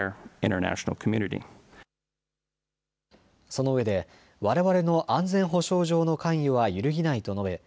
そのうえでわれわれの安全保障上の関与は揺るぎないと述べ